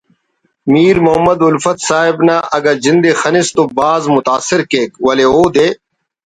میر محمد الفت صاحب نا اگہ جند ءِ خنِس تو بھاز متاثر کیک ولے اودے